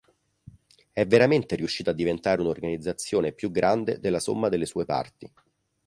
È veramente riuscita a diventare un'organizzazione più grande della somma delle sue parti.